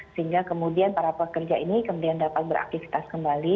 sehingga kemudian para pekerja ini kemudian dapat beraktivitas kembali